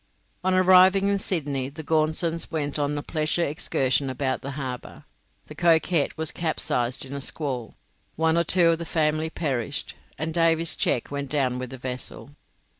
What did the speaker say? On arriving in Sydney the Gaunsons went on a pleasure excursion about the harbour, the 'Coquette' was capsized in a squall, one or two of the family perished, and Davy's cheque went down with the vessel.